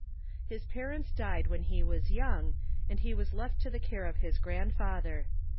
His parents died when he was young, and he was left to the care of his grandfather.